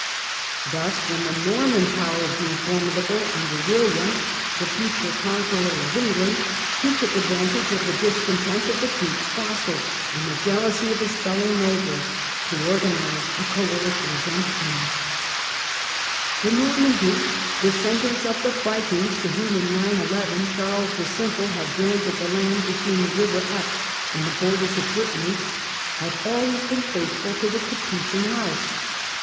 Thus, when the Norman power grew formidable under William, the L 50 THE CENTRAL PERIOD OF THE MIDDLE AGE future conqueror of England, he took advantage of the discontent of the duke's vassals, and the jealousy of his fellow nobles, to organize a coalition against him. Normandy The Nomian dukes, descendants of the Vikings to whom, in 911, Charles the Simple had granted the land between the river Epte and the borders of Britanny, had always been faithful to the Capetian house.